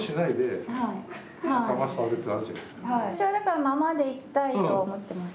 私はだからままでいきたいと思っています。